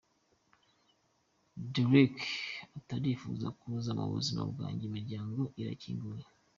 Derek ati ”Urifuza kuza mu buzima bwanjye, imiryango irakinguye.